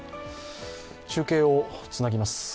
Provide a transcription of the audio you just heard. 中継をつなぎます。